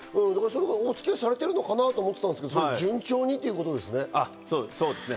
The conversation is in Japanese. お付き合いされてるのかなって思ったんですけど、順調にというこそうですね。